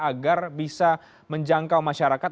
agar bisa menjangkau masyarakat